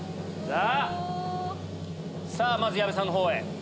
まず矢部さんの方へ。